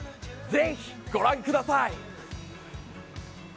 ぜひご覧ください。